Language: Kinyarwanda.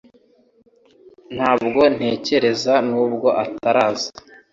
Ntabwo ntekereza nubwo ataza